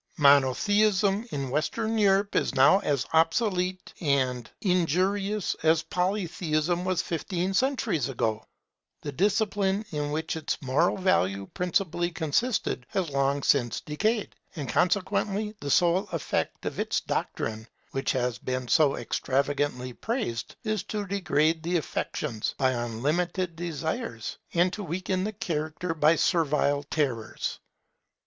Monotheism in Western Europe is now as obsolete and as injurious as Polytheism was fifteen centuries ago. The discipline in which its moral value principally consisted has long since decayed; and consequently the sole effect of its doctrine, which has been so extravagantly praised, is to degrade the affections by unlimited desires, and to weaken the character by servile terrors.